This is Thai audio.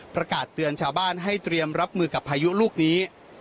ประกาศเตือนชาวบ้านให้เตรียมรับมือกับพายุลูกนี้